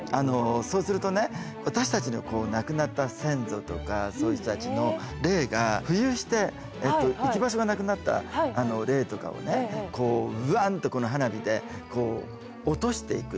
そうするとね私たちの亡くなった先祖とかそういう人たちの霊が浮遊して行き場所がなくなった霊とかをねこう「ウワン！」とこの花火で落としていくっていうね。